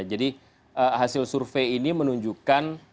hasil survei ini menunjukkan